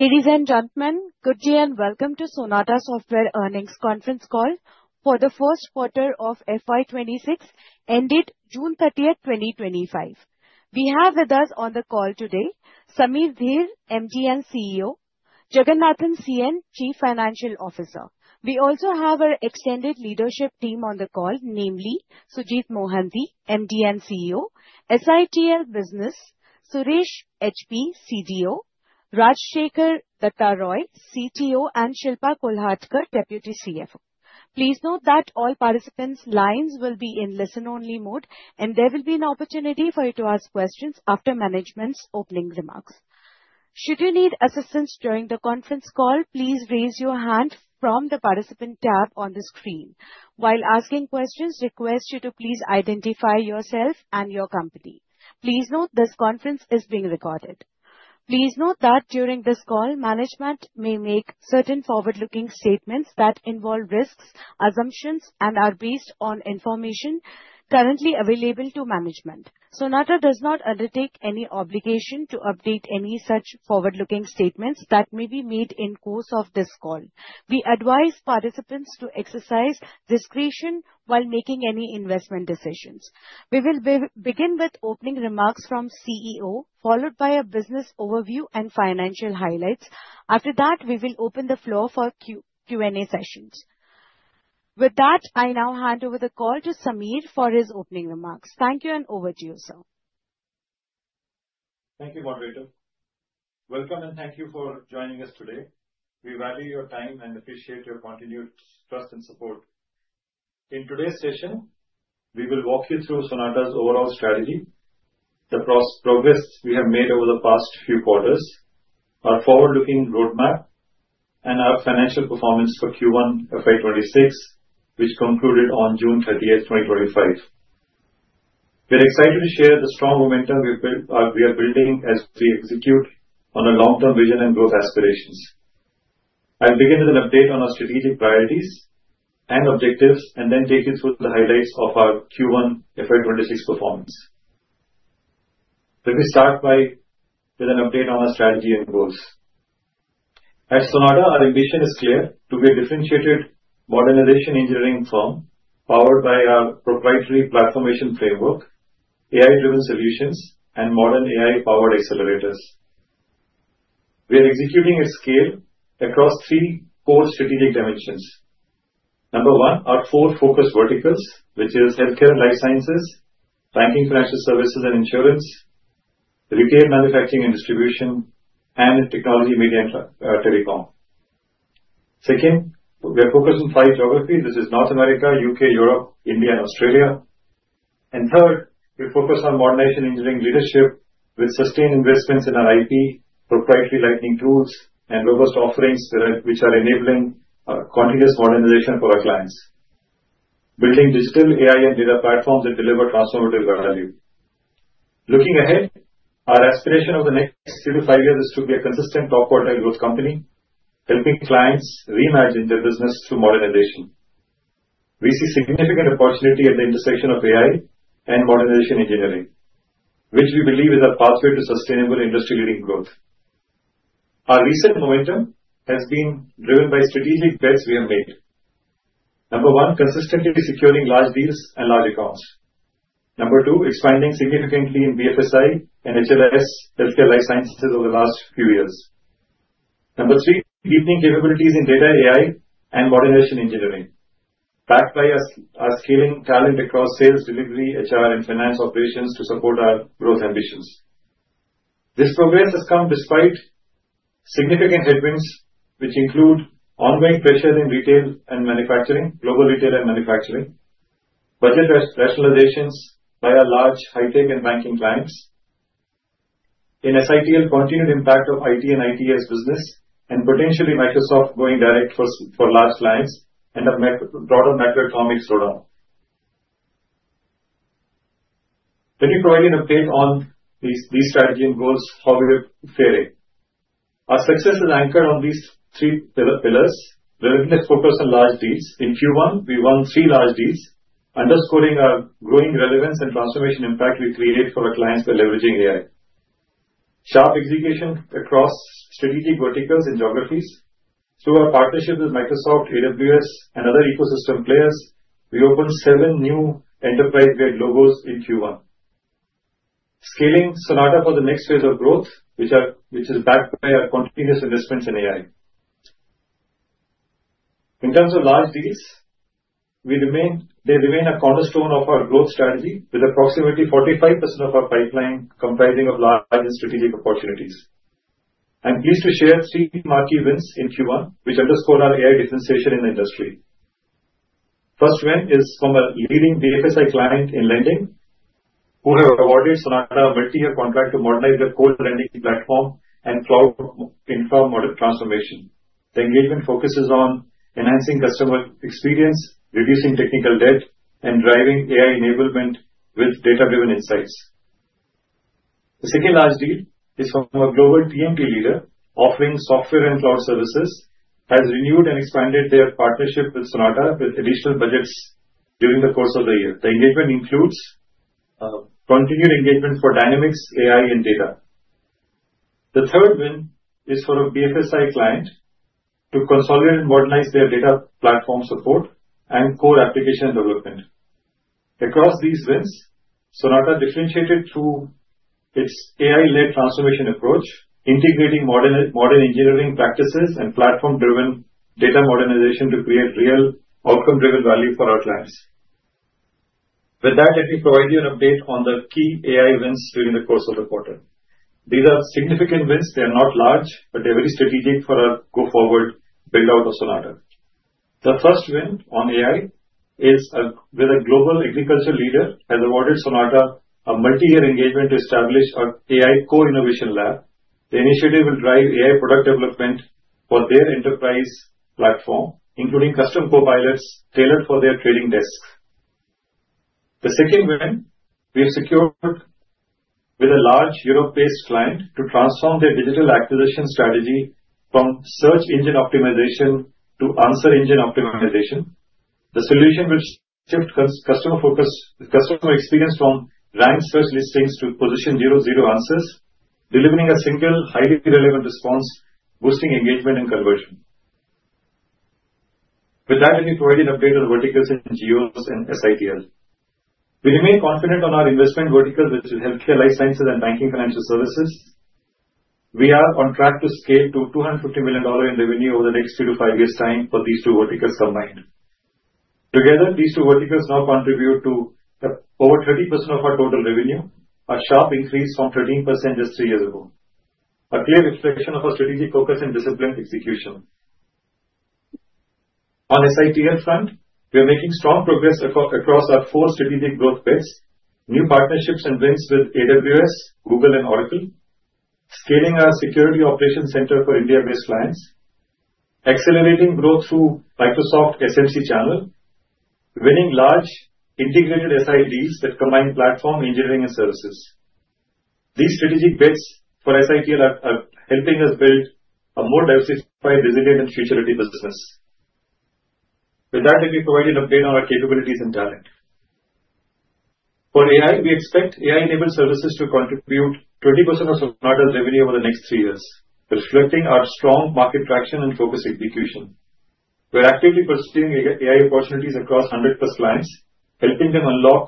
Ladies and gentemen, good day and welcome to Sonata Software Earnings Conference Call for the first quarter of FY26 ended June 30, 2025. We have with us on the call today Samir Dhir, MD and CEO. Jagannathan Chakravarthi N, Chief Financial Officer. We also have our extended leadership team on the call, namely Sujit Mohanty, MD and CEO, SITL Business, Suresh HP, CDO, Rajsekhar Datta Roy, CTO, and Shilpa Kulkarni, Deputy CFO. Please note that all participants' lines will be in listen-only mode, and there will be an opportunity for you to ask questions after management's opening remarks. Should you need assistance during the conference call, please raise your hand from the participant tab on the screen. While asking questions, we request you to please identify yourself and your company. Please note this conference is being recorded. Please note that during this call, management may make certain forward-looking statements that involve risks, assumptions, and are based on information currently available to management. Sonata does not undertake any obligation to update any such forward-looking statements that may be made in the course of this call. We advise participants to exercise discretion while making any investment decisions. We will begin with opening remarks from CEO, followed by a business overview and financial highlights. After that, we will open the floor for Q&A sessions. With that, I now hand over the call to Samir for his opening remarks. Thank you, and over to you, sir. Thank you, Margarita. Welcome, and thank you for joining us today. We value your time and appreciate your continued trust and support. In today's session, we will walk you through Sonata's overall strategy, the progress we have made over the past few quarters, our forward-looking roadmap, and our financial performance for Q1 FY26, which concluded on June 30, 2025. We're excited to share the strong momentum we are building as we execute on our long-term vision and growth aspirations. I'll begin with an update on our strategic priorities and objectives, and then take you through the highlights of our Q1 FY26 performance. Let me start by giving an update on our strategy and goals. At Sonata, our ambition is clear: to be a differentiated modernization engineering firm powered by our proprietary platformization framework, AI-driven solutions, and modern AI-powered accelerators. We are executing at scale across three core strategic dimensions. Number one, our four focus verticals, which are healthcare and life sciences, banking, financial services, and insurance, retail, manufacturing, and distribution, and technology, media, and telecom. Second, we are focused on five geographies, which are North America, UK, Europe, India, and Australia. And third, we focus on modernization engineering leadership with sustained investments in our IP, proprietary Lightning tools, and robust offerings which are enabling continuous modernization for our clients, building digital AI and data platforms that deliver transformative value. Looking ahead, our aspiration over the next three to five years is to be a consistent top-quartile growth company, helping clients reimagine their business through modernization. We see significant opportunity at the intersection of AI and modernization engineering, which we believe is our pathway to sustainable industry-leading growth. Our recent momentum has been driven by strategic bets we have made. Number one, consistently securing large deals and large accounts. Number two, expanding significantly in BFSI and HLS, healthcare life sciences, over the last few years. Number three, deepening capabilities in data AI and modernization engineering, backed by our scaling talent across sales, delivery, HR, and finance operations to support our growth ambitions. This progress has come despite significant headwinds, which include ongoing pressure in retail and manufacturing, global retail and manufacturing, budget rationalizations by our large high-tech and banking clients, and SITL's continued impact on IT and ITS business, and potentially Microsoft going direct for large clients and a broader macroeconomic slowdown. Let me provide you an update on these strategy and goals, how we are faring. Our success is anchored on these three pillars, relevantly focused on large deals. In Q1, we won three large deals, underscoring our growing relevance and transformation impact we create for our clients by leveraging AI. Sharp execution across strategic verticals and geographies. Through our partnership with Microsoft, AWS, and other ecosystem players, we opened seven new enterprise-grade logos in Q1, scaling Sonata for the next phase of growth, which is backed by our continuous investments in AI. In terms of large deals, they remain a cornerstone of our growth strategy, with approximately 45% of our pipeline comprising large and strategic opportunities. I'm pleased to share three marquee wins in Q1, which underscore our AI differentiation in the industry. First win is from a leading BFSI client in lending, who have awarded Sonata a multi-year contract to modernize their core lending platform and cloud infrastructure model transformation. The engagement focuses on enhancing customer experience, reducing technical debt, and driving AI enablement with data-driven insights. The second large deal is from a global TMT leader, offering software and cloud services, has renewed and expanded their partnership with Sonata with additional budgets during the course of the year. The engagement includes continued engagement for Dynamics, AI, and data. The third win is for a BFSI client to consolidate and modernize their data platform support and core application development. Across these wins, Sonata differentiated through its AI-led transformation approach, integrating modern engineering practices and platform-driven data modernization to create real outcome-driven value for our clients. With that, let me provide you an update on the key AI wins during the course of the quarter. These are significant wins. They are not large, but they are very strategic for our go-forward build-out of Sonata. The first win on AI is with a global agriculture leader who has awarded Sonata a multi-year engagement to establish an AI co-innovation lab. The initiative will drive AI product development for their enterprise platform, including custom copilots tailored for their trading desks. The second win, we have secured with a large Europe-based client to transform their digital acquisition strategy from search engine optimization to answer engine optimization. The solution will shift customer focus, customer experience from ranked search listings to position zero-zero answers, delivering a single, highly relevant response, boosting engagement and conversion. With that, let me provide you an update on the verticals in GEOS and SITL. We remain confident on our investment verticals, which are healthcare, life sciences, and banking financial services. We are on track to scale to $250 million in revenue over the next three to five years' time for these two verticals combined. Together, these two verticals now contribute to over 30% of our total revenue, a sharp increase from 13% just three years ago, a clear reflection of our strategic focus and disciplined execution. On the SITL front, we are making strong progress across our four strategic growth bets, new partnerships and wins with AWS, Google, and Oracle, scaling our security operations center for India-based clients, accelerating growth through Microsoft SMC channel, winning large integrated SI deals that combine platform, engineering, and services. These strategic bets for SITL are helping us build a more diversified, resilient, and future-ready business. With that, let me provide you an update on our capabilities and talent. For AI, we expect AI-enabled services to contribute 20% of Sonata's revenue over the next three years, reflecting our strong market traction and focused execution. We're actively pursuing AI opportunities across 100-plus clients, helping them unlock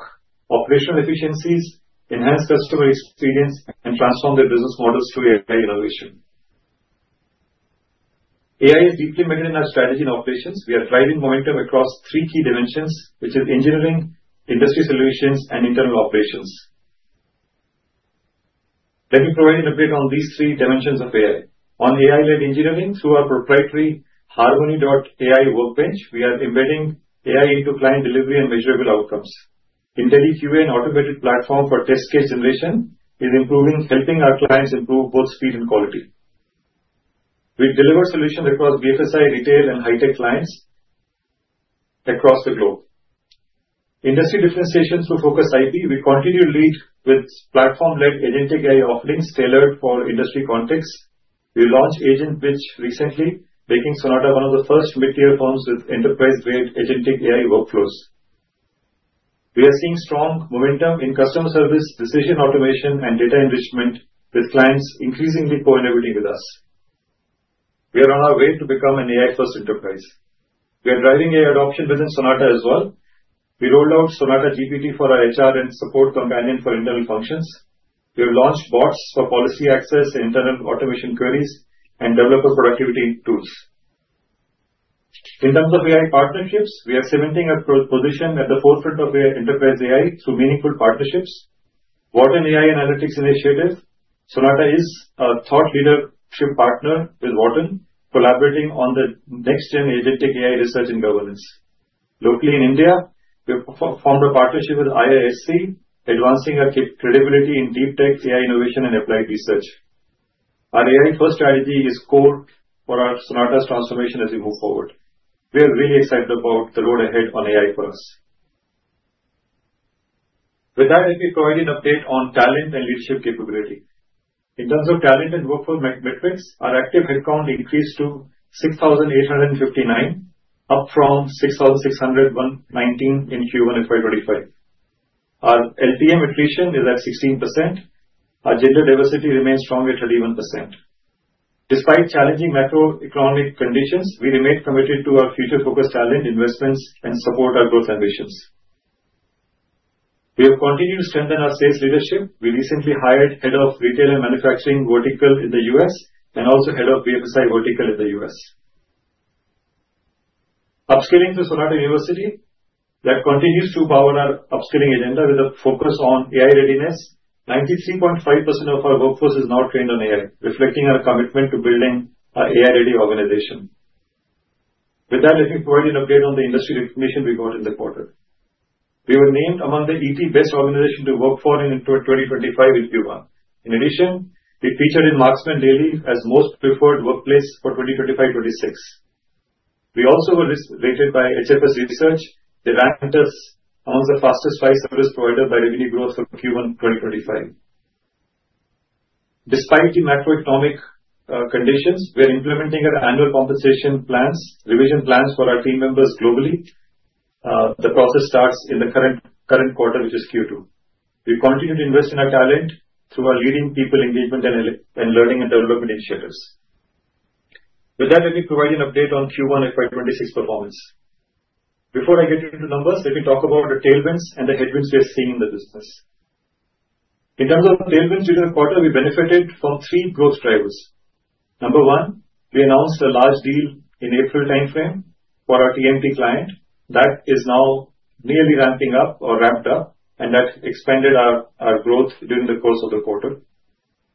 operational efficiencies, enhance customer experience, and transform their business models through AI innovation. AI is deeply embedded in our strategy and operations. We are driving momentum across three key dimensions, which are engineering, industry solutions, and internal operations. Let me provide an update on these three dimensions of AI. On AI-led engineering, through our proprietary Harmony.AI Workbench, we are embedding AI into client delivery and measurable outcomes. IntelliQA, an automated platform for test case generation, is improving, helping our clients improve both speed and quality. We deliver solutions across BFSI, retail, and high-tech clients across the globe. Industry differentiation through focus IP, we continue to lead with platform-led agentic AI offerings tailored for industry contexts. We launched AgentBridge recently, making Sonata one of the first mid-tier firms with enterprise-grade agentic AI workflows. We are seeing strong momentum in customer service, decision automation, and data enrichment, with clients increasingly co-innovating with us. We are on our way to become an AI-first enterprise. We are driving AI adoption within Sonata as well. We rolled out Sonata GPT for our HR and support companion for internal functions. We have launched bots for policy access, internal automation queries, and developer productivity tools. In terms of AI partnerships, we are cementing our position at the forefront of enterprise AI through meaningful partnerships. Wharton AI Analytics Initiative, Sonata is a thought leadership partner with Wharton, collaborating on the next-gen agentic AI research and governance. Locally in India, we have formed a partnership with IISc, advancing our credibility in deep tech AI innovation and applied research. Our AI-first strategy is core for our Sonata's transformation as we move forward. We are really excited about the road ahead on AI for us. With that, let me provide you an update on talent and leadership capability. In terms of talent and workforce metrics, our active headcount increased to 6,859, up from 6,619 in Q1 FY25. Our LTM attrition is at 16%. Our gender diversity remains strong at 31%. Despite challenging macroeconomic conditions, we remain committed to our future-focused talent, investments, and support our growth ambitions. We have continued to strengthen our sales leadership. We recently hired Head of Retail and Manufacturing Vertical in the US and also Head of BFSI Vertical in the US. Upscaling to Sonata University, that continues to power our upscaling agenda with a focus on AI readiness. 93.5% of our workforce is now trained on AI, reflecting our commitment to building an AI-ready organization. With that, let me provide you an update on the industry information we got in the quarter. We were named among the ET best organization to work for in 2025 in Q1. In addition, we featured in Marksmen Daily as most preferred workplace for 2025-26. We also were rated by HFS Research. They ranked us among the fastest five service providers by revenue growth for Q1 2025. Despite the macroeconomic conditions, we are implementing our annual compensation plans, revision plans for our team members globally. The process starts in the current quarter, which is Q2. We continue to invest in our talent through our leading people engagement and learning and development initiatives. With that, let me provide you an update on Q1 FY26 performance. Before I get into numbers, let me talk about the tailwinds and the headwinds we are seeing in the business. In terms of tailwinds during the quarter, we benefited from three growth drivers. Number one, we announced a large deal in the April timeframe for our TMT client. That is now nearly ramping up or ramped up, and that expanded our growth during the course of the quarter.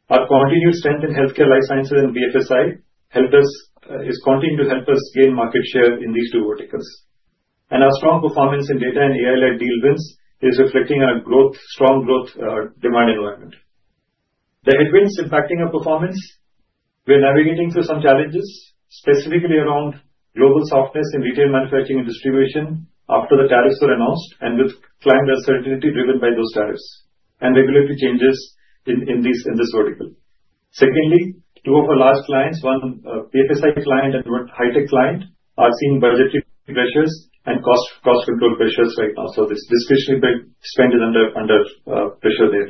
Our continued strength in healthcare, life sciences, and BFSI is continuing to help us gain market share in these two verticals. And our strong performance in data and AI-led deal wins is reflecting our growth, strong growth demand environment. The headwinds impacting our performance, we are navigating through some challenges, specifically around global softness in retail manufacturing and distribution after the tariffs were announced and with client uncertainty driven by those tariffs and regulatory changes in this vertical. Secondly, two of our large clients, one BFSI client and one high-tech client, are seeing budgetary pressures and cost control pressures right now. This discretionary spend is under pressure there.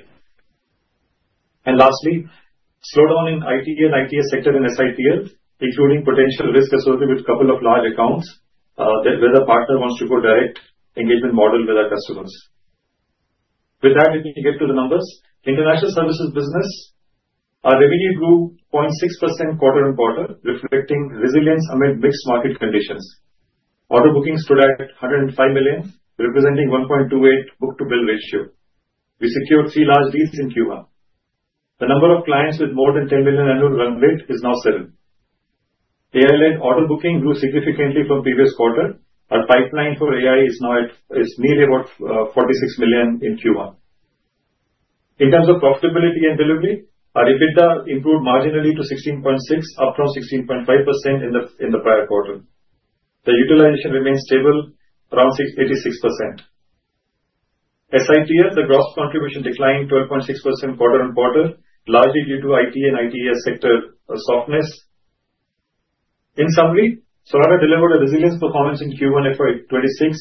And lastly, slowdown in ITL, ITS sector, and SITL, including potential risk associated with a couple of large accounts where the partner wants to go direct engagement model with our customers. With that, let me get to the numbers. International services business, our revenue grew 0.6% quarter on quarter, reflecting resilience amid mixed market conditions. Order bookings stood at $105 million, representing 1.28 book-to-bill ratio. We secured three large deals in Q1. The number of clients with more than $10 million annual run rate is now seven. AI-led order booking grew significantly from previous quarter. Our pipeline for AI is now at nearly about $46 million in Q1. In terms of profitability and delivery, our EBITDA improved marginally to 16.6%, up from 16.5% in the prior quarter. The utilization remains stable, around 86%. SITL, the gross contribution declined 12.6% quarter on quarter, largely due to IT and ITS sector softness. In summary, Sonata delivered a resilience performance in Q1 FY26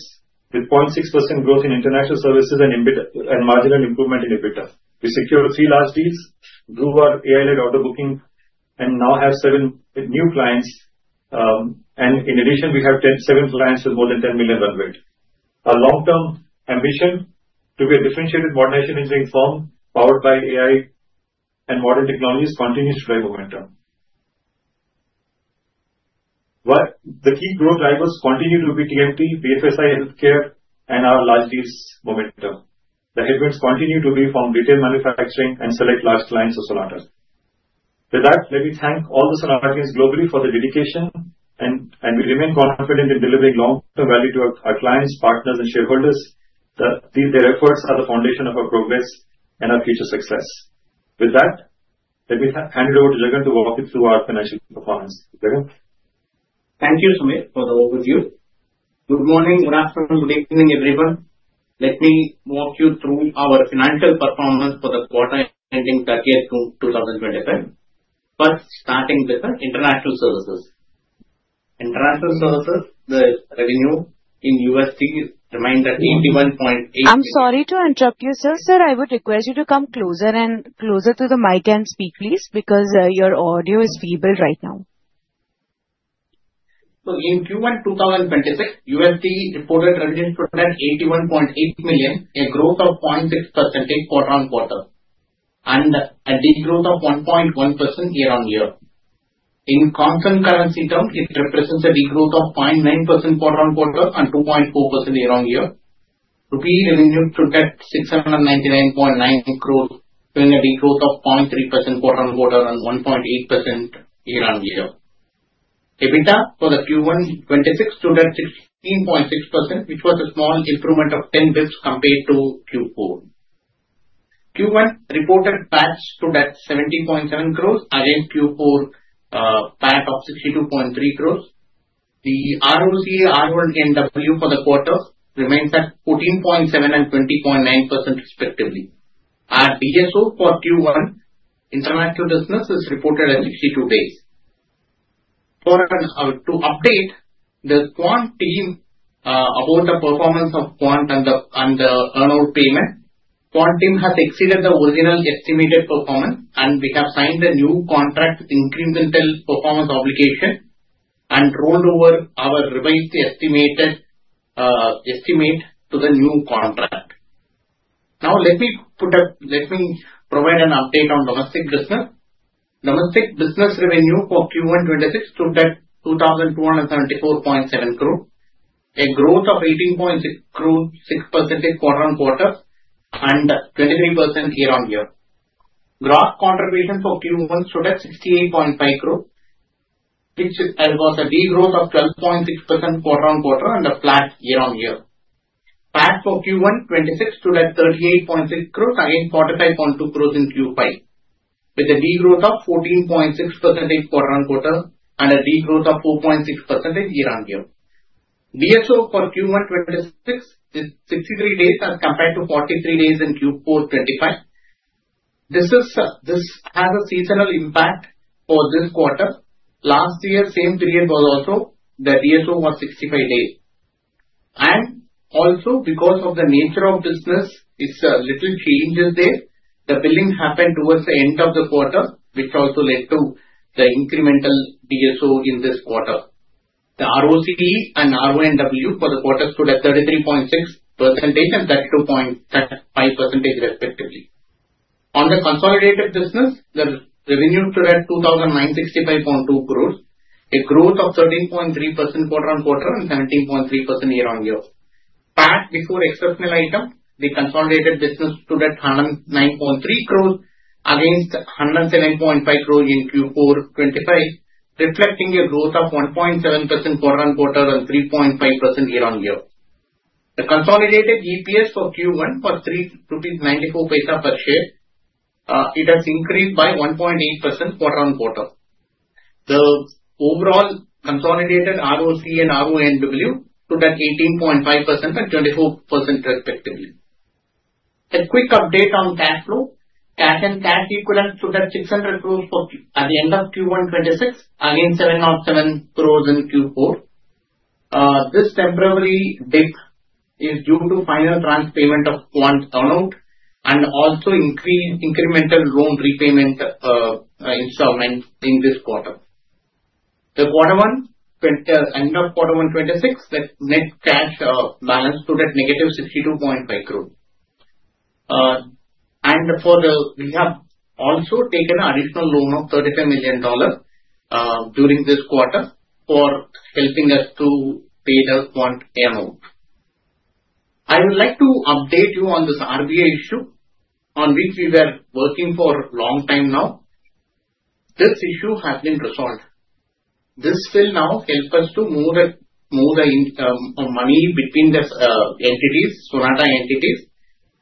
with 0.6% growth in international services and marginal improvement in EBITDA. We secured three large deals, grew our AI-led order booking, and now have seven new clients, and in addition, we have seven clients with more than 10 million run rate. Our long-term ambition to be a differentiated modernization engineering firm powered by AI and modern technologies continues to drive momentum. The key growth drivers continue to be TMT, BFSI, healthcare, and our large deals momentum. The headwinds continue to be from retail manufacturing and select large clients of Sonata. With that, let me thank all the Sonata teams globally for their dedication, and we remain confident in delivering long-term value to our clients, partners, and shareholders. Their efforts are the foundation of our progress and our future success. With that, let me hand it over to Jagannathan to walk you through our financial performance. Jagannathan. Thank you, Samir, for the overview. Good morning, good afternoon, good evening, everyone. Let me walk you through our financial performance for the quarter ending 30th June 2025. First, starting with the international services. International services, the revenue in USD remained at 81.8%. I'm sorry to interrupt you. Sir, I would request you to come closer and closer to the mic and speak, please, because your audio is feeble right now. So in Q1 2026, USD reported revenues stood at $81.8 million, a growth of 0.6% quarter on quarter, and a degrowth of 1.1% year on year. In constant currency terms, it represents a degrowth of 0.9% quarter on quarter and 2.4% year on year. Repeated revenue stood at 699.9 crores, showing a degrowth of 0.3% quarter on quarter and 1.8% year on year. EBITDA for the Q1 26 stood at 16.6%, which was a small improvement of 10 basis points compared to Q4. Q1 reported PAT stood at 70.7 crores against Q4 PAT of 62.3 crores. The ROCE RONW for the quarter remains at 14.7% and 20.9% respectively. Our DSO for Q1 international business is reported at 62 days. To update the Quant team about the performance of Quant and the earn-out payment. Quant team has exceeded the original estimated performance, and we have signed a new contract incremental performance obligation and rolled over our revised estimate to the new contract. Now, let me provide an update on domestic business. Domestic business revenue for Q1 26 stood at 2,274.7 crores, a growth of 18.6% quarter on quarter and 23% year on year. Gross contribution for Q1 stood at INR 68.5 crores, which was a degrowth of 12.6% quarter on quarter and a flat year on year. PAT for Q1 26 stood at 38.6 crores against 45.2 crores in Q5, with a degrowth of 14.6% quarter on quarter and a degrowth of 4.6% year on year. DSO for Q1 26 is 63 days as compared to 43 days in Q4 25. This has a seasonal impact for this quarter. Last year, same period was also the DSO was 65 days, and also, because of the nature of business, it's a little change there. The billing happened towards the end of the quarter, which also led to the incremental DSO in this quarter. The ROCE and RONW for the quarter stood at 33.6% and 32.5% respectively. On the consolidated business, the revenue stood at INR 2,965.2 crores, a growth of 13.3% quarter on quarter and 17.3% year on year. PAT before exceptional item, the consolidated business stood at 109.3 crores against 107.5 crores in Q4 2025, reflecting a growth of 1.7% quarter on quarter and 3.5% year on year. The consolidated EPS for Q1 was ₹3.94 per share. It has increased by 1.8% quarter on quarter. The overall consolidated ROCE and RONW stood at 18.5% and 24% respectively. A quick update on cash flow. Cash and cash equivalent stood at 600 crores at the end of Q1 2026, against 707 crores in Q4 2025. This temporary dip is due to final tranche payment of Quant earn-out and also incremental loan repayment installment in this quarter. The quarter one, end of quarter one 2026, the net cash balance stood at negative 62.5 crores. For the, we have also taken an additional loan of $35 million during this quarter for helping us to pay the Quant earn-out. I would like to update you on this RBI issue on which we were working for a long time now. This issue has been resolved. This will now help us to move the money between the entities, Sonata entities,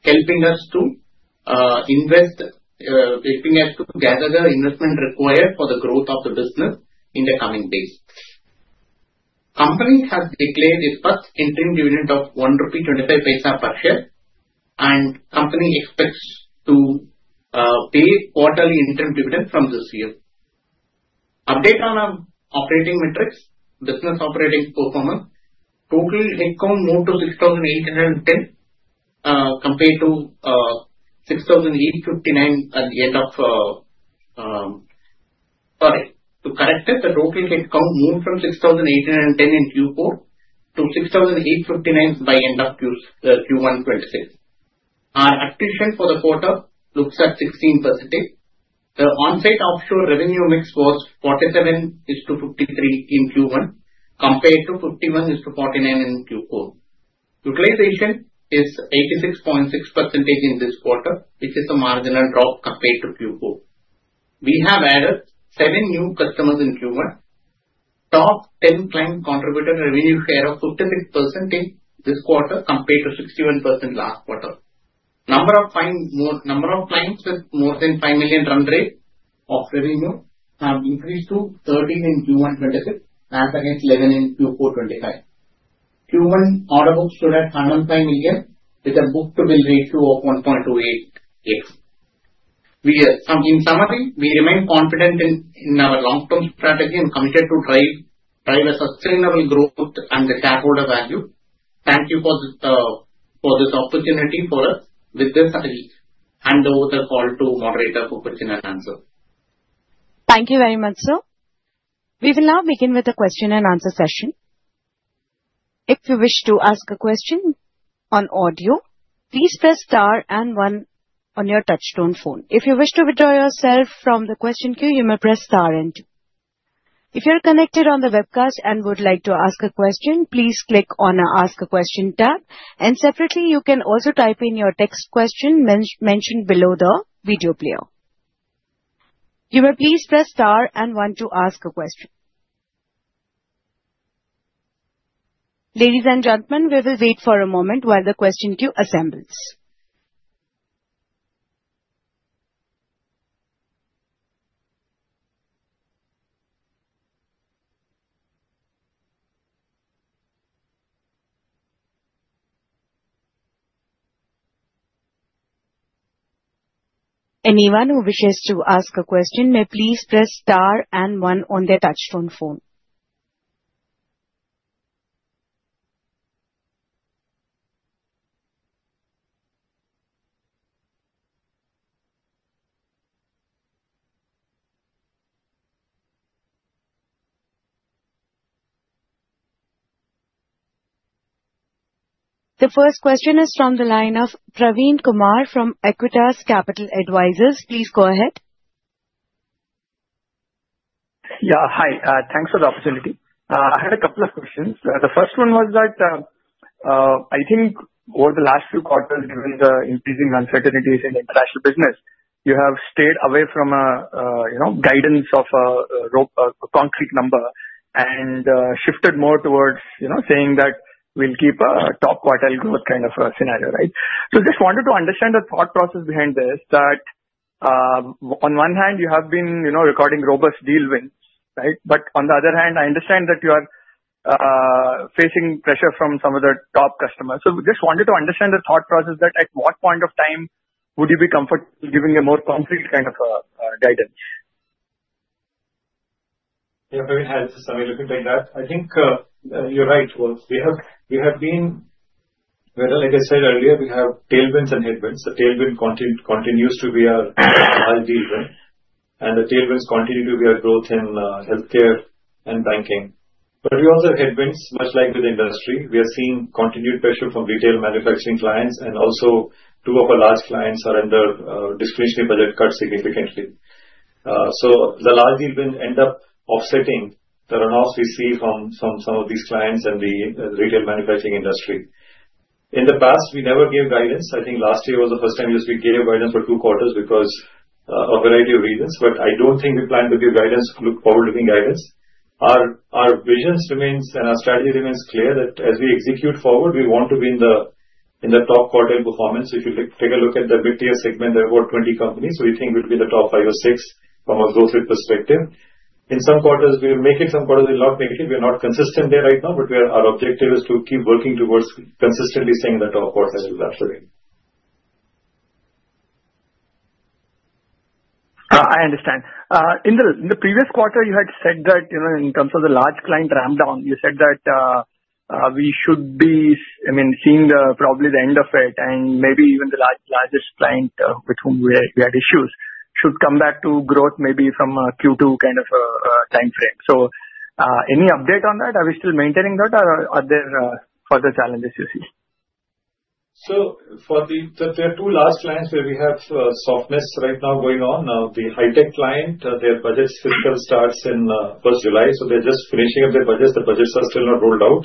helping us to invest, helping us to gather the investment required for the growth of the business in the coming days. The Company has declared its first interim dividend of ₹1.25 per share, and the Company expects to pay quarterly interim dividend from this year. Update on our operating metrics, business operating performance. Total headcount moved to 6,810 compared to 6,859 at the end of, sorry, to correct it, the total headcount moved from 6,810 in Q4 to 6,859 by end of Q1 26. Our attrition for the quarter looks at 16%. The onsite offshore revenue mix was 47 to 53 in Q1 compared to 51 to 49 in Q4. Utilization is 86.6% in this quarter, which is a marginal drop compared to Q4. We have added seven new customers in Q1. Top 10 client contributed revenue share of 56% in this quarter compared to 61% last quarter. Number of clients with more than $5 million run rate of revenue have increased to 13 in Q1 26 as against 11 in Q4 25. Q1 order book stood at $105 million with a book-to-bill ratio of 1.28x. In summary, we remain confident in our long-term strategy and committed to drive a sustainable growth and the shareholder value. Thank you for this opportunity for us with this and over the call to moderator for question and answer. Thank you very much, sir. We will now begin with the question and answer session. If you wish to ask a question on audio, please press star and one on your touch-tone phone. If you wish to withdraw yourself from the question queue, you may press star and two. If you're connected on the webcast and would like to ask a question, please click on the ask a question tab. And separately, you can also type in your text question mentioned below the video player. You may please press star and one to ask a question. Ladies and gentlemen, we will wait for a moment while the question queue assembles. Anyone who wishes to ask a question may please press star and one on their touch-tone phone. The first question is from the line of Praveen Kumar from Equitas Capital Advisors. Please go ahead. Yeah, hi. Thanks for the opportunity. I had a couple of questions. The first one was that I think over the last few quarters, given the increasing uncertainties in international business, you have stayed away from a guidance of a concrete number and shifted more towards saying that we'll keep a top quartile growth kind of scenario, right? So just wanted to understand the thought process behind this, that on one hand, you have been recording robust deal wins, right? But on the other hand, I understand that you are facing pressure from some of the top customers. So just wanted to understand the thought process that at what point of time would you be comfortable giving a more concrete kind of guidance? Yeah, very helpful, Samir, looking back at that. I think you're right, Praveen. We have been, like I said earlier, we have tailwinds and headwinds. The tailwind continues to be our large deal win, and the tailwinds continue to be our growth in healthcare and banking. But we also have headwinds, much like with the industry. We are seeing continued pressure from retail manufacturing clients, and also two of our large clients are under discretionary budget cuts significantly. So the large deal win ends up offsetting the run-offs we see from some of these clients and the retail manufacturing industry. In the past, we never gave guidance. I think last year was the first time we gave guidance for two quarters because of a variety of reasons, but I don't think we plan to give guidance, forward-looking guidance. Our vision remains and our strategy remains clear that as we execute forward, we want to be in the top quartile performance. If you take a look at the mid-tier segment, there are about 20 companies. We think we'll be in the top five or six from a growth rate perspective. In some quarters, we will make it. Some quarters, we will not make it. We are not consistent there right now, but our objective is to keep working towards consistently staying in the top quartile as well. I understand. In the previous quarter, you had said that in terms of the large client rundown, you said that we should be, I mean, seeing probably the end of it and maybe even the largest client with whom we had issues should come back to growth maybe from a Q2 kind of a time frame. So any update on that? Are we still maintaining that, or are there further challenges you see? So, for the two large clients where we have softness right now going on, the high-tech client, their budget cycle starts in first July, so they're just finishing up their budgets. The budgets are still not rolled out.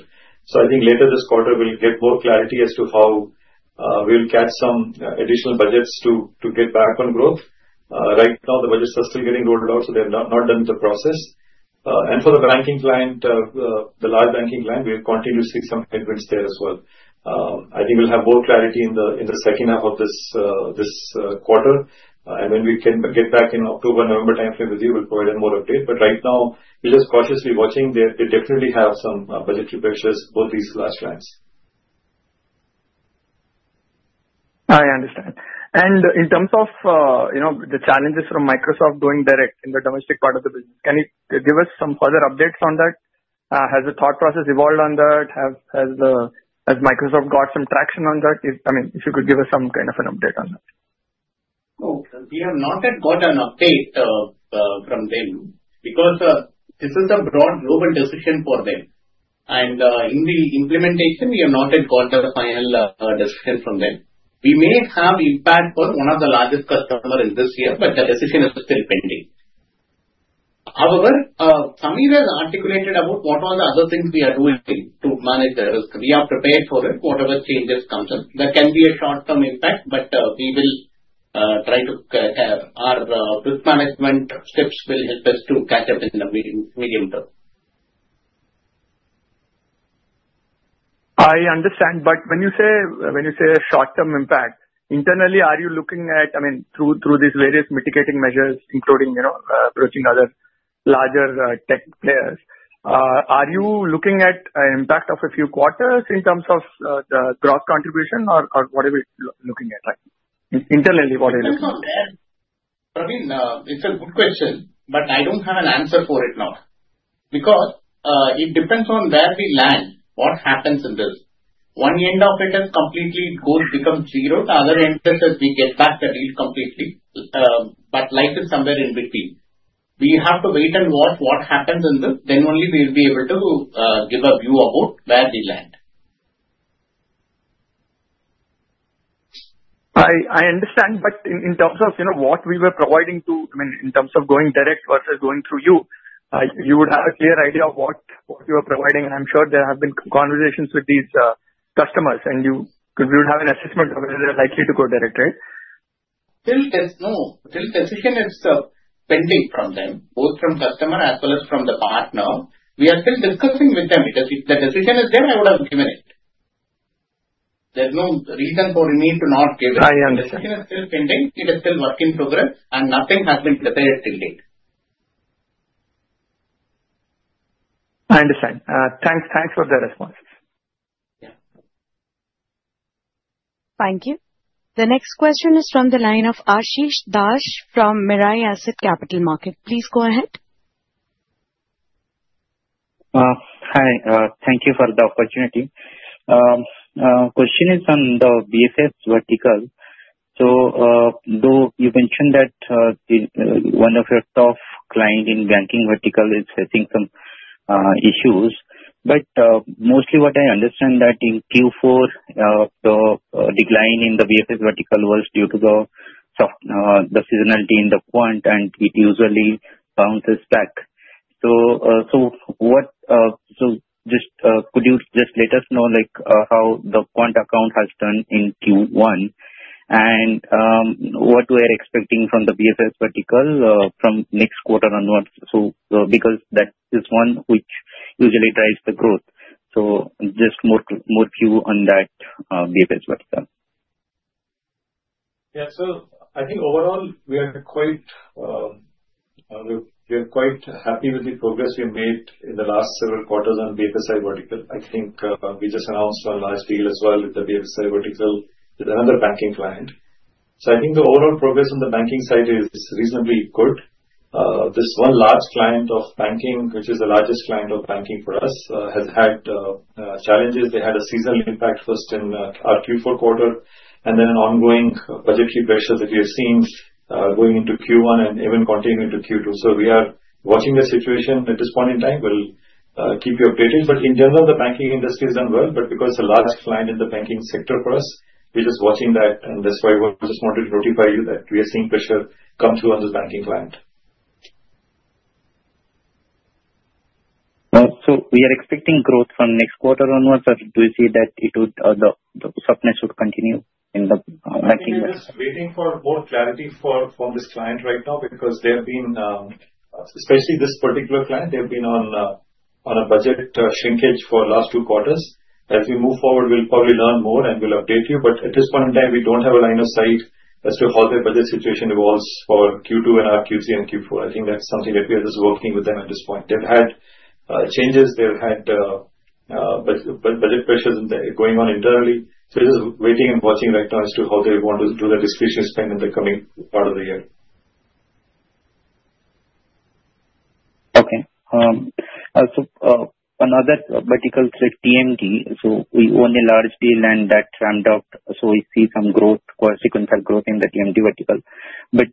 So, I think later this quarter, we'll get more clarity as to how we'll catch some additional budgets to get back on growth. Right now, the budgets are still getting rolled out, so they've not done the process. And for the banking client, the large banking client, we'll continue to see some headwinds there as well. I think we'll have more clarity in the second half of this quarter, and when we can get back in October, November time frame with you, we'll provide more updates. But right now, we're just cautiously watching. They definitely have some budgetary pressures, both these large clients. I understand. And in terms of the challenges from Microsoft going direct in the domestic part of the business, can you give us some further updates on that? Has the thought process evolved on that? Has Microsoft got some traction on that? I mean, if you could give us some kind of an update on that. We have not yet got an update from them because this is a broad global decision for them. And in the implementation, we have not yet got the final decision from them. We may have impact on one of the largest customers this year, but the decision is still pending. However, Samir has articulated about what are the other things we are doing to manage the risk. We are prepared for it, whatever changes come. There can be a short-term impact, but we will try to have our risk management steps will help us to catch up in the medium term. I understand, but when you say a short-term impact, internally, are you looking at, I mean, through these various mitigating measures, including approaching other larger tech players, are you looking at an impact of a few quarters in terms of the gross contribution, or what are we looking at? Internally, what are you looking at? It's a good question, but I don't have an answer for it now because it depends on where we land, what happens in this. One end of it has completely become zero. The other end, as we get back the deal completely, but life is somewhere in between. We have to wait and watch what happens in this. Then only we will be able to give a view about where we land. I understand, but in terms of what we were providing to, I mean, in terms of going direct versus going through you, you would have a clear idea of what you are providing. And I'm sure there have been conversations with these customers, and you would have an assessment of whether they're likely to go direct, right? Still, there's no decision. It's pending from them, both from customer as well as from the partner. We are still discussing with them. If the decision is there, I would have given it. There's no reason for me to not give it. I understand. The decision is still pending. It is still work in progress, and nothing has been decided till date. I understand. Thanks for the response. Thank you. The next question is from the line of Ashis Dash from Mirae Asset Capital Markets. Please go ahead. Hi. Thank you for the opportunity. Question is on the BSS vertical. So you mentioned that one of your top clients in banking vertical is facing some issues. But mostly what I understand is that in Q4, the decline in the BSS vertical was due to the seasonality in the Quant, and it usually bounces back. So just could you just let us know how the Quant account has done in Q1, and what we are expecting from the BSS vertical from next quarter onwards? So because that is one which usually drives the growth. So just more color on that BSS vertical. Yeah. So I think overall, we are quite happy with the progress we made in the last several quarters on BSS vertical. I think we just announced one large deal as well with the BFSI vertical with another banking client. So I think the overall progress on the banking side is reasonably good. This one large client of banking, which is the largest client of banking for us, has had challenges. They had a seasonal impact first in our Q4 quarter and then an ongoing budgetary pressure that we have seen going into Q1 and even continuing to Q2. So we are watching the situation at this point in time. We'll keep you updated. But in general, the banking industry has done well. But because it's a large client in the banking sector for us, we're just watching that. And that's why we just wanted to notify you that we are seeing pressure come through on this banking client. So we are expecting growth from next quarter onwards, or do you see that the softness would continue in the banking? We're just waiting for more clarity from this client right now because they have been, especially this particular client, they've been on a budget shrinkage for the last two quarters. As we move forward, we'll probably learn more and we'll update you. But at this point in time, we don't have a line of sight as to how their budget situation evolves for Q2 and our Q3 and Q4. I think that's something that we are just working with them at this point. They've had changes. They've had budget pressures going on internally. So we're just waiting and watching right now as to how they want to do their discretionary spend in the coming part of the year. Okay. So another vertical, TMT. So we own a large deal and that ramped up. So we see some growth, sequential growth in the TMT vertical. But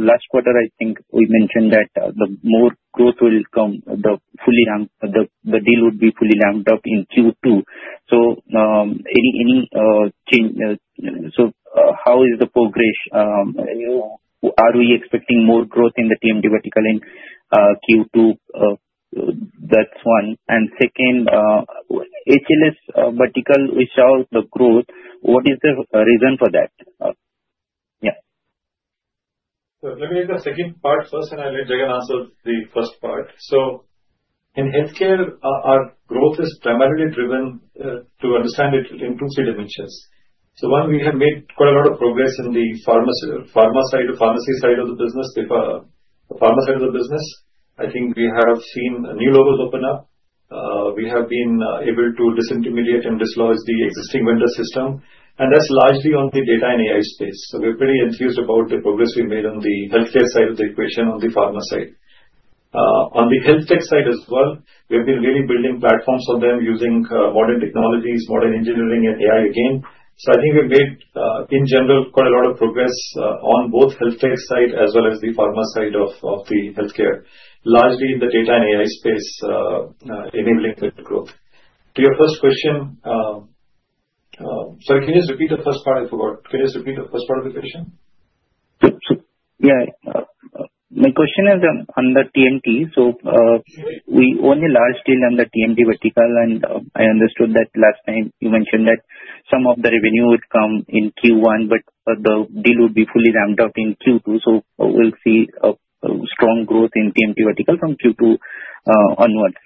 last quarter, I think we mentioned that the more growth will come, the deal would be fully ramped up in Q2. So any change? So how is the progress? Are we expecting more growth in the TMT vertical in Q2? That's one. And second, HLS vertical, we saw the growth. What is the reason for that? Yeah. So let me take the second part first, and I'll let Jagannathan answer the first part. So in healthcare, our growth is primarily driven, to understand it, in two dimensions. So one, we have made quite a lot of progress in the pharma side, pharmacy side of the business. The pharma side of the business, I think we have seen new logos open up. We have been able to disintermediate and dislodge the existing vendor system, and that's largely on the data and AI space, so we're pretty enthused about the progress we made on the healthcare side of the equation on the pharma side. On the health tech side as well, we have been really building platforms for them using modern technologies, modern engineering, and AI again, so I think we've made, in general, quite a lot of progress on both health tech side as well as the pharma side of the healthcare, largely in the data and AI space, enabling the growth. To your first question, sorry, can you just repeat the first part? I forgot. Can you just repeat the first part of the question? Yeah. My question is on the TMT. So we own a large deal on the TMT vertical, and I understood that last time you mentioned that some of the revenue would come in Q1, but the deal would be fully ramped up in Q2. So we'll see strong growth in TMT vertical from Q2 onwards,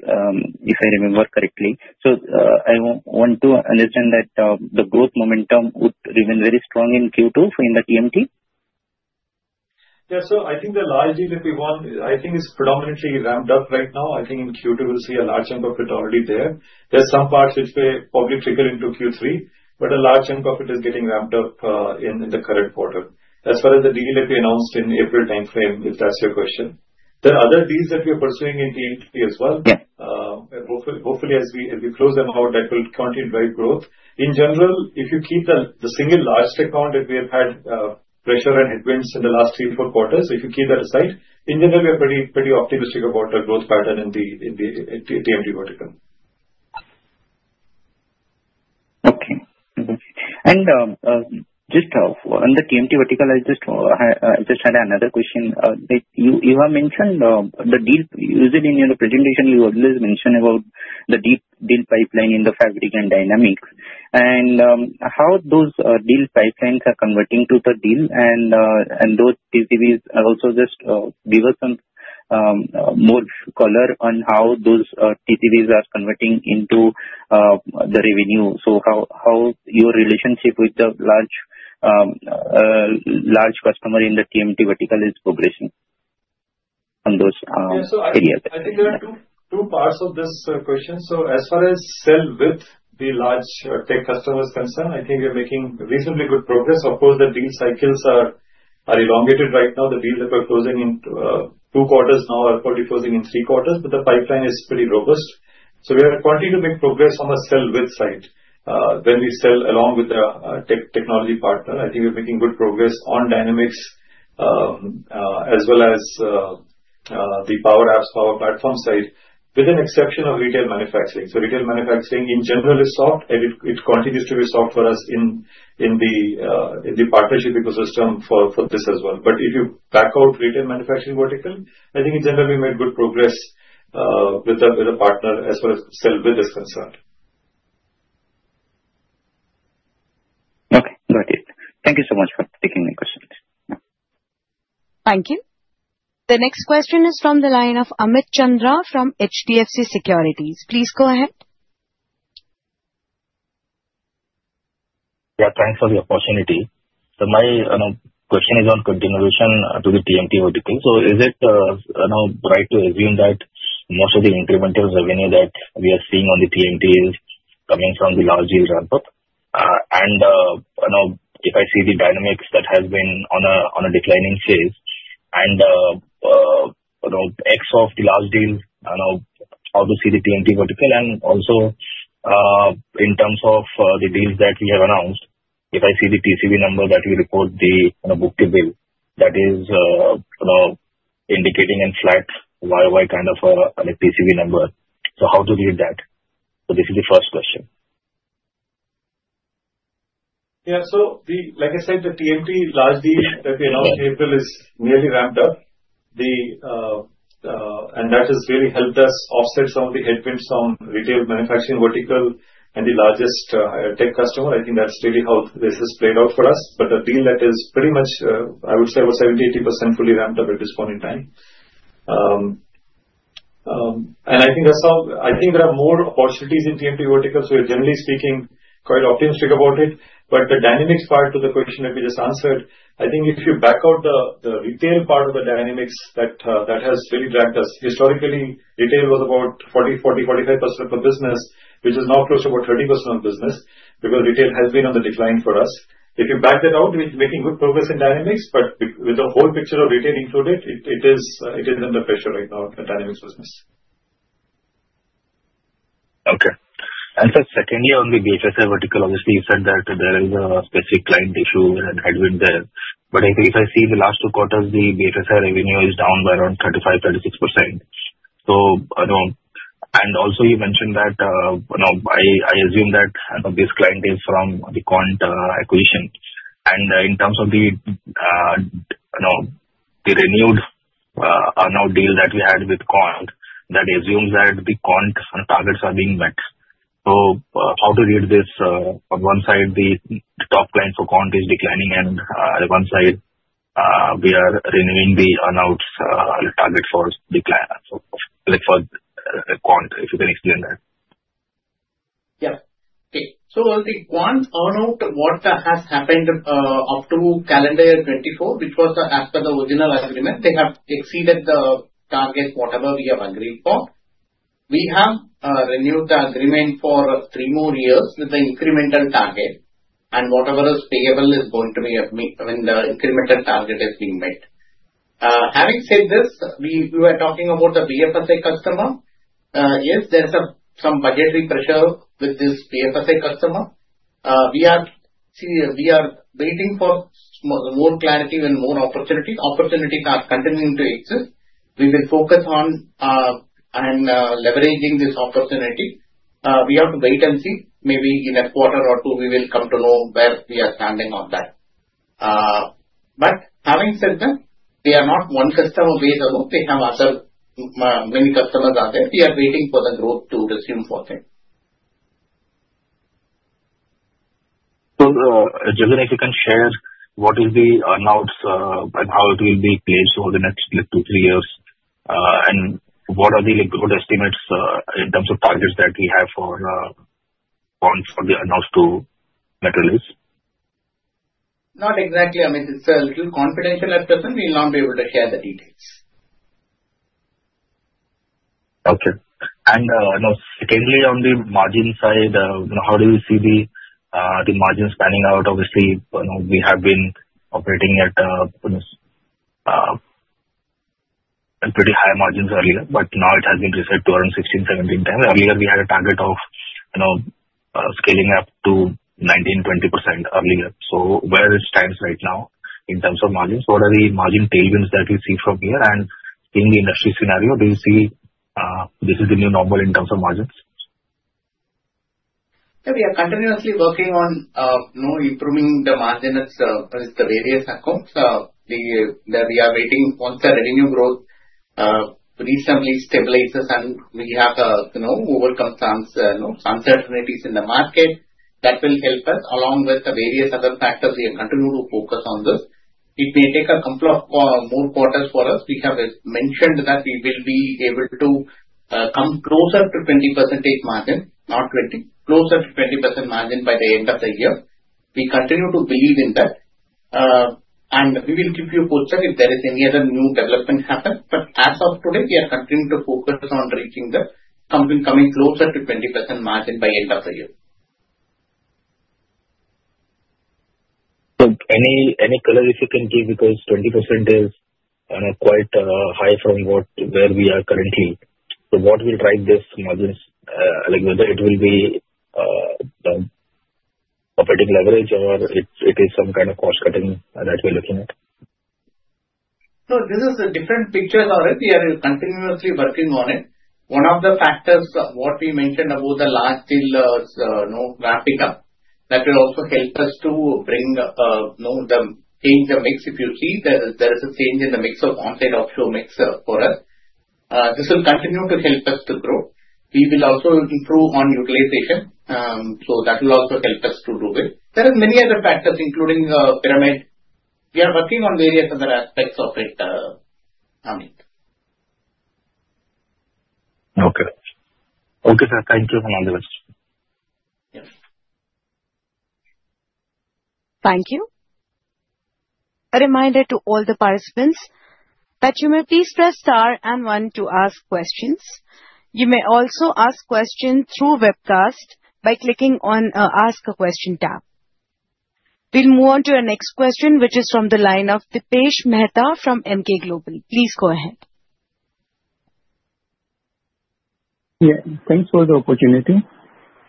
if I remember correctly. So I want to understand that the growth momentum would remain very strong in Q2 for the TMT? Yeah. So I think the large deal, if we want, I think it's predominantly ramped up right now. I think in Q2, we'll see a large chunk of it already there. There's some parts which will probably trigger into Q3, but a large chunk of it is getting ramped up in the current quarter, as well as the deal that we announced in April time frame, if that's your question. There are other deals that we are pursuing in TMT as well. Hopefully, as we close them out, that will continue to drive growth. In general, if you keep the single largest account that we have had pressure and headwinds in the last three or four quarters, if you keep that aside, in general, we are pretty optimistic about the growth pattern in the TMT vertical. Okay. And just on the TMT vertical, I just had another question. You have mentioned the deal usually in your presentation, you always mention about the deep deal pipeline in the fabric and dynamics. And how those deal pipelines are converting to the deal, and those TCVs are also just give us more color on how those TCVs are converting into the revenue. So how your relationship with the large customer in the TMT vertical is progressing on those areas? Yeah. So I think there are two parts of this question. So as far as sell with the large tech customers concerned, I think we are making reasonably good progress. Of course, the deal cycles are elongated right now. The deals that we're closing in two quarters now are probably closing in three quarters, but the pipeline is pretty robust. So we are continuing to make progress on the sell with side when we sell along with the technology partner. I think we're making good progress on Dynamics as well as the Power Apps, Power Platform side, with an exception of retail manufacturing. So retail manufacturing in general is soft, and it continues to be soft for us in the partnership ecosystem for this as well. But if you back out retail manufacturing vertical, I think in general, we made good progress with the partner as far as sell with is concerned. Okay. Got it. Thank you so much for taking my questions. Thank you. The next question is from the line of Amit Chandra from HDFC Securities. Please go ahead. Yeah. Thanks for the opportunity. So my question is on continuation to the TMT vertical. So is it right to assume that most of the incremental revenue that we are seeing on the TMT is coming from the large deal ramp-up? And if I see the dynamics that have been on a declining phase and ex of the large deal, how to see the TMT vertical? And also in terms of the deals that we have announced, if I see the TCV number that we report, the book to bill, that is indicating a flat YY kind of a TCV number. So how to read that? So this is the first question. Yeah. So like I said, the TMT large deal that we announced in April is nearly ramped up. And that has really helped us offset some of the headwinds from retail manufacturing vertical and the largest tech customer. I think that's really how this has played out for us. But the deal that is pretty much, I would say, about 70%-80% fully ramped up at this point in time. And I think there are more opportunities in TMT vertical. So we're generally speaking quite optimistic about it. But the Dynamics part to the question that we just answered, I think if you back out the retail part of the Dynamics that has really dragged us. Historically, retail was about 40, 40, 45% of the business, which is now close to about 30% of the business because retail has been on the decline for us. If you back that out, we're making good progress in Dynamics, but with the whole picture of retail included, it is under pressure right now in the Dynamics business. Okay. And so secondly, on the BFSI vertical, obviously, you said that there is a specific client issue and headwind there. But if I see the last two quarters, the BFSI revenue is down by around 35-36%. And also you mentioned that I assume that this client is from the Quant acquisition. And in terms of the renewed deal that we had with Quant, that assumes that the Quant targets are being met. So how to read this? On one side, the top client for Quant is declining, and on one side, we are renewing the earnouts target for Quant, if you can explain that. Yeah. Okay. So the Quant earnout, what has happened up to calendar year 2024, which was as per the original agreement, they have exceeded the target, whatever we have agreed for. We have renewed the agreement for three more years with the incremental target, and whatever is payable is going to be when the incremental target is being met. Having said this, we were talking about the BFSI customer. Yes, there's some budgetary pressure with this BFSI customer. We are waiting for more clarity and more opportunity. Opportunities are continuing to exist. We will focus on and leveraging this opportunity. We have to wait and see. Maybe in a quarter or two, we will come to know where we are standing on that. But having said that, they are not one customer base alone. They have other many customers out there. We are waiting for the growth to resume for them. So Jagannathan, if you can share what is the earnouts and how it will be placed over the next two to three years and what are the good estimates in terms of targets that we have for Quant for the earnouts to materialize? Not exactly. I mean, it's a little confidential at present. We will not be able to share the details. Okay. And secondly, on the margin side, how do you see the margins panning out? Obviously, we have been operating at pretty high margins earlier, but now it has been reset to around 16%-17%. Earlier, we had a target of scaling up to 19%-20% earlier. So where it stands right now in terms of margins, what are the margin tailwinds that we see from here? And in the industry scenario, do you see this is the new normal in terms of margins? Yeah. We are continuously working on improving the margins with the various accounts. We are waiting once the revenue growth reasonably stabilizes and we have overcome some uncertainties in the market that will help us along with the various other factors. We continue to focus on this. It may take a couple of more quarters for us. We have mentioned that we will be able to come closer to 20% margin, not 20, closer to 20% margin by the end of the year. We continue to believe in that. And we will give you a post-check if there is any other new development happen. But as of today, we are continuing to focus on reaching the coming closer to 20% margin by the end of the year. So any color if you can give because 20% is quite high from where we are currently. So what will drive this margins? Whether it will be operating leverage or it is some kind of cost cutting that we're looking at? So this is a different picture already. We are continuously working on it. One of the factors what we mentioned about the large deal ramping up, that will also help us to bring the change of mix. If you see that there is a change in the mix of on-site offshore mix for us, this will continue to help us to grow. We will also improve on utilization. So that will also help us to do it. There are many other factors, including pyramid. We are working on various other aspects of it coming. Okay. Okay, sir. Thank you for all the questions. Yes. Thank you. A reminder to all the participants that you may please press star and one to ask questions. You may also ask questions through webcast by clicking on the ask a question tab. We'll move on to our next question, which is from the line of Dipesh Mehta from Emkay Global. Please go ahead. Yeah. Thanks for the opportunity.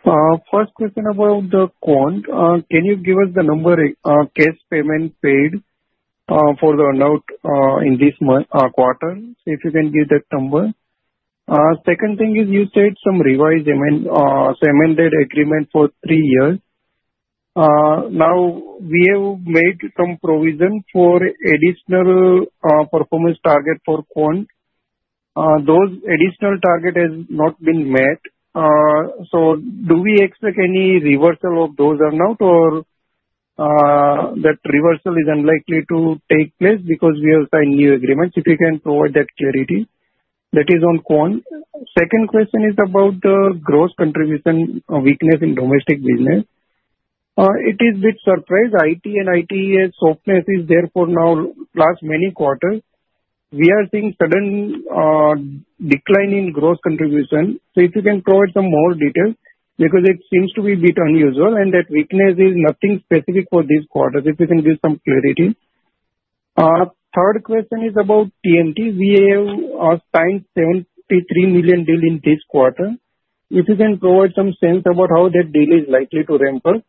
First question about the Quant. Can you give us the number? Cash payment paid for the earnout in this quarter. So if you can give that number. Second thing is you said some revised amended agreement for three years. Now, we have made some provision for additional performance target for Quant. Those additional target has not been met. So do we expect any reversal of those earnout or that reversal is unlikely to take place because we have signed new agreements? If you can provide that clarity. That is on Quant. Second question is about the gross contribution weakness in domestic business. It is a bit surprise. IT and ITES softness is there for now last many quarters. We are seeing sudden decline in gross contribution. So if you can provide some more details because it seems to be a bit unusual and that weakness is nothing specific for this quarter. If you can give some clarity. Third question is about TMT. We have signed $73 million deal in this quarter. If you can provide some sense about how that deal is likely to ramp up.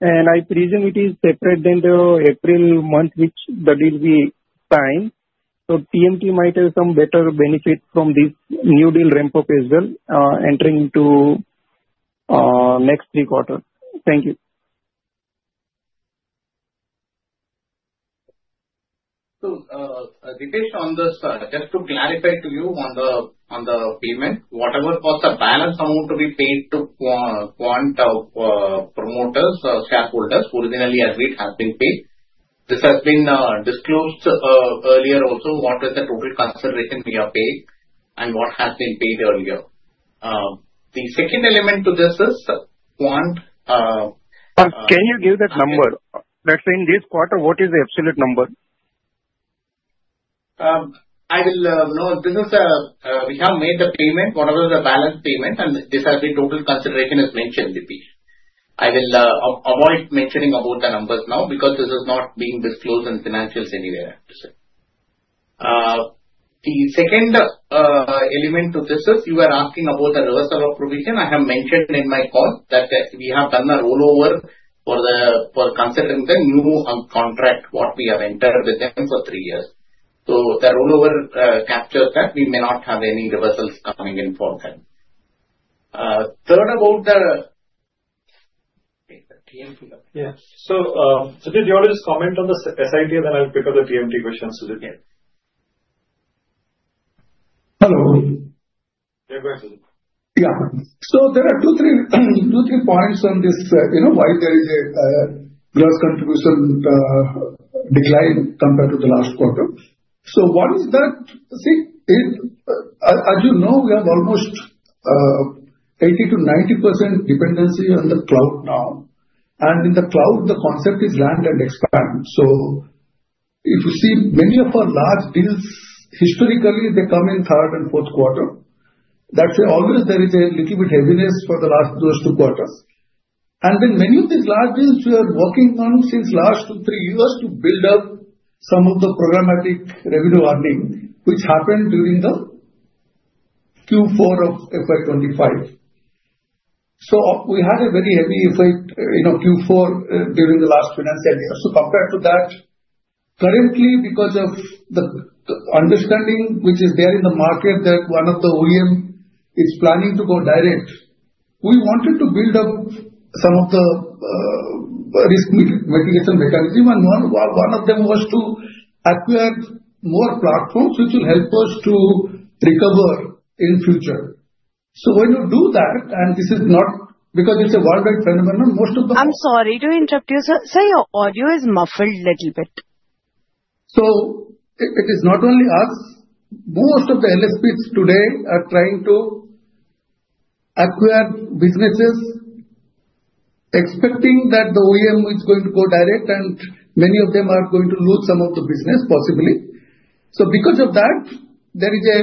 And I presume it is separate than the April month which the deal we signed. So TMT might have some better benefit from this new deal ramp-up as well entering into next three quarters. Thank you. So Dipesh, on the just to clarify to you on the payment, whatever was the balance amount to be paid to Quant promoters, shareholders originally agreed has been paid. This has been disclosed earlier also. What is the total consideration we are paid and what has been paid earlier? The second element to this is Quant. Can you give that number? Let's say in this quarter, what is the absolute number? This is, we have made the payment, whatever is the balance payment, and this has been total consideration as mentioned, Dipesh. I will avoid mentioning about the numbers now because this is not being disclosed in financials anywhere, I have to say. The second element to this is you are asking about the reversal of provision. I have mentioned in my call that we have done a rollover for considering the new contract what we have entered with them for three years. So the rollover captures that we may not have any reversals coming in for them. Third about the. So Sujit Mohanty, just comment on the SIT, then I'll pick up the TMT question. Hello. Go ahead, Sujit. There are two or three points on this why there is a gross contribution decline compared to the last quarter. So what is that? As you know, we have almost 80%-90% dependency on the cloud now. And in the cloud, the concept is land and expand. So if you see many of our large deals, historically, they come in third and fourth quarter. That's why always there is a little bit heaviness for the last two quarters. And then many of these large deals we are working on since last two to three years to build up some of the programmatic revenue earning, which happened during the Q4 of FY25. So we had a very heavy effect in Q4 during the last financial year. So compared to that, currently, because of the understanding which is there in the market that one of the OEM is planning to go direct, we wanted to build up some of the risk mitigation mechanism. And one of them was to acquire more platforms, which will help us to recover in future. So when you do that, and this is not because it's a worldwide phenomenon, most of the. I'm sorry to interrupt you. Sir, your audio is muffled a little bit. So it is not only us. Most of the LSPs today are trying to acquire businesses, expecting that the OEM is going to go direct, and many of them are going to lose some of the business, possibly. So because of that, there is a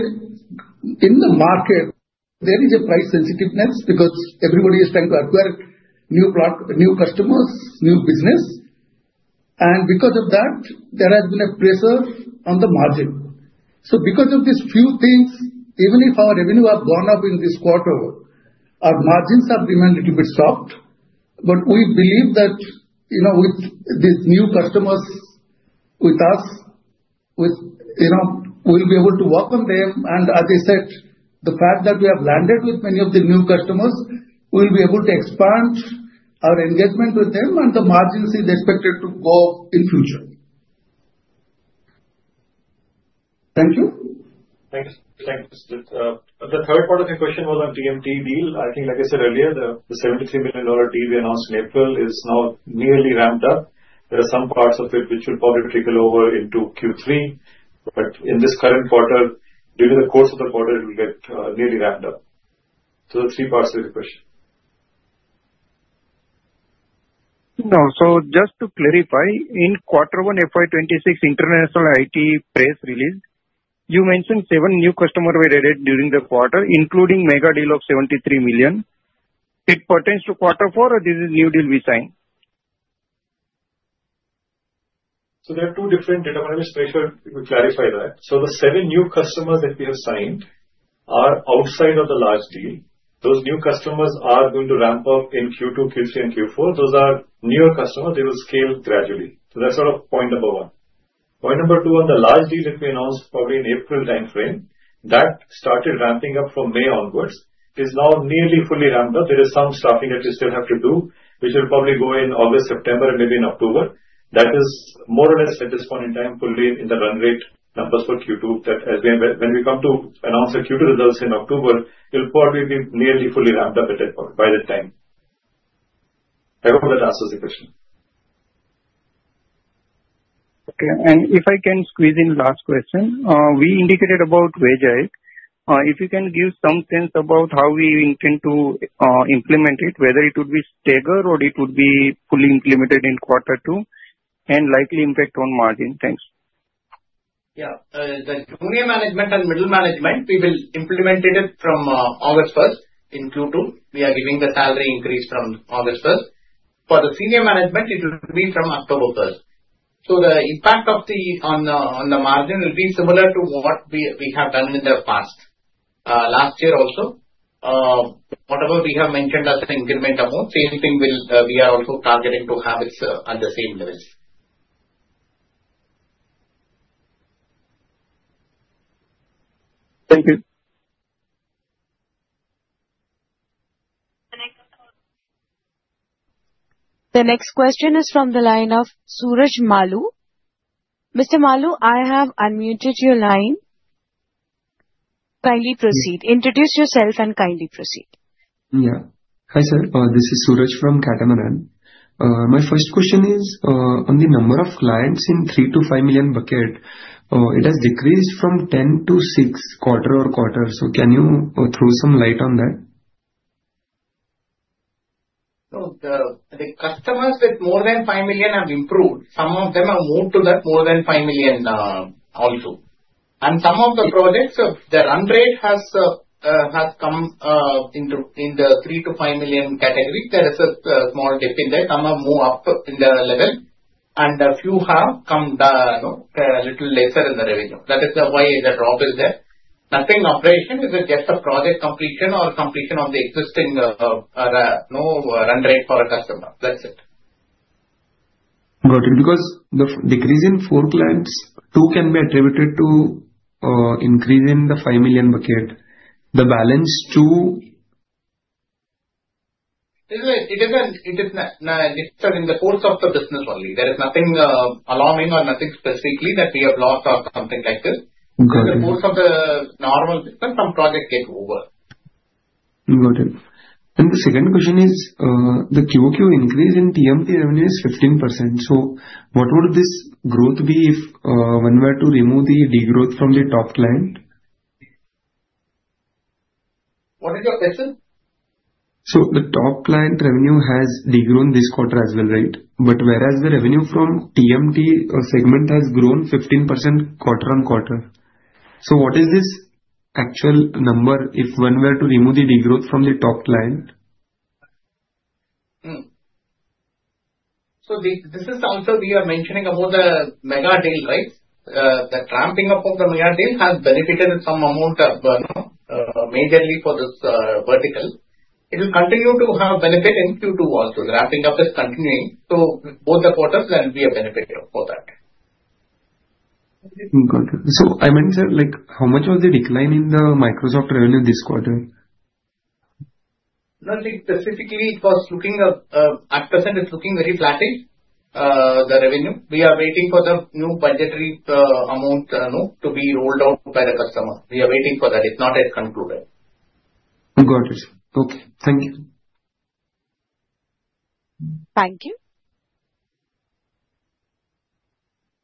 price sensitiveness because everybody is trying to acquire new customers, new business. And because of that, there has been a pressure on the margin. So because of these few things, even if our revenue has gone up in this quarter, our margins have remained a little bit soft. But we believe that with these new customers with us, we'll be able to work on them. And as I said, the fact that we have landed with many of the new customers, we'll be able to expand our engagement with them, and the margins is expected to go up in future. Thank you. Thank you. Thank you, Sujit. The third part of your question was on TMT deal. I think, like I said earlier, the $73 million deal we announced in April is now nearly ramped up. There are some parts of it which will probably trickle over into Q3. But in this current quarter, due to the course of the quarter, it will get nearly ramped up. So the three parts of your question. No. So just to clarify, in quarter one, FY26, international IT press release, you mentioned seven new customers were added during the quarter, including mega deal of $73 million. It pertains to quarter four, or this is new deal we signed? So there are two different data points. Please clarify that. So the seven new customers that we have signed are outside of the large deal. Those new customers are going to ramp up in Q2, Q3, and Q4. Those are newer customers. They will scale gradually. So that's sort of point number one. Point number two, on the large deal that we announced probably in April timeframe, that started ramping up from May onwards, is now nearly fully ramped up. There is some staffing that we still have to do, which will probably go in August, September, and maybe in October. That is more or less at this point in time fully in the run rate numbers for Q2. When we come to announce the Q2 results in October, it'll probably be nearly fully ramped up by that time. I hope that answers the question. Okay. And if I can squeeze in last question, we indicated about wage hike. If you can give some sense about how we intend to implement it, whether it would be staggered or it would be fully implemented in quarter two and likely impact on margin. Thanks. Yeah. The junior management and middle management, we will implement it from August 1st in Q2. We are giving the salary increase from August 1st. For the senior management, it will be from October 1st. So the impact on the margin will be similar to what we have done in the past, last year also. Whatever we have mentioned as an increment amount, same thing we are also targeting to have it at the same levels. Thank you. The next question is from the line of Suraj Malu. Mr. Malu, I have unmuted your line. Kindly proceed. Introduce yourself and kindly proceed. Yeah. Hi, sir. This is Suraj from Catamaran. My first question is on the number of clients in three to five million bucket. It has decreased from 10 to 6 quarter over quarter. So can you throw some light on that? So the customers with more than 5 million have improved. Some of them have moved to the more than 5 million also. And some of the projects, the run rate has come in the three to five million category. There is a small dip in that. Some have moved up in the level, and a few have come down a little less in the revenue. That is why the drop is there. Nothing operational is just a project completion or completion of the existing run rate for a customer. That's it. Got it. Because the decrease in four clients, two can be attributed to increase in the five million bucket. The balance two. It is a shift in the course of the business only. There is nothing alarming or nothing specifically that we have lost or something like this. In the course of the normal business, some proje cts get over. Got it. And the second question is the QOQ increase in TMT revenue is 15%. So what would this growth be if one were to remove the degrowth from the top client? What is your question? So the top client revenue has degrown this quarter as well, right? But whereas the revenue from TMT segment has grown 15% quarter on quarter. So what is this actual number if one were to remove the degrowth from the top client? So this is also we are mentioning about the mega deal, right? The ramping up of the mega deal has benefited some amount majorly for this vertical. It will continue to have benefit in Q2 also. The ramping up is continuing. So both the quarters will be a benefit for that. Got it. So I meant how much was the decline in the Microsoft revenue this quarter? Nothing specifically. At present, it's looking very flat, the revenue. We are waiting for the new budgetary amount to be rolled out by the customer. We are waiting for that. It's not yet concluded. Got it. Okay. Thank you. Thank you.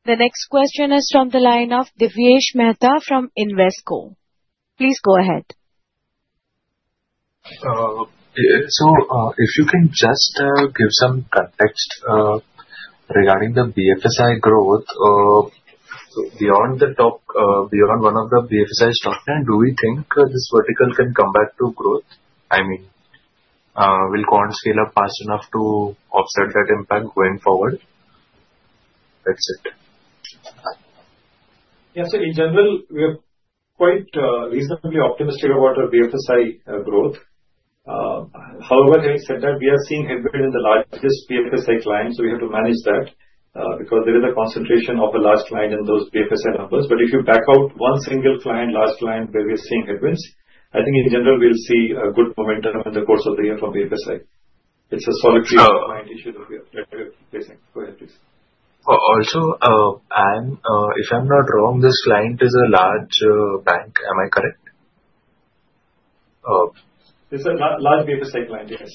The next question is from the line of Dipesh Mehta from Invesco. Please go ahead. So if you can just give some context regarding the BFSI growth, beyond one of the BFSI stocks, do we think this vertical can come back to growth? I mean, will Quant scale up fast enough to offset that impact going forward? That's it. Yeah. So in general, we are quite reasonably optimistic about our BFSI growth. However, having said that, we are seeing headwinds in the largest BFSI clients. So we have to manage that because there is a concentration of a large client in those BFSI numbers. But if you back out one single client, large client where we are seeing headwinds, I think in general, we'll see good momentum in the course of the year from BFSI. It's a solitary client issue that we are facing. Go ahead, please. Also, if I'm not wrong, this client is a large bank. Am I correct? It's a large BFSI client, yes.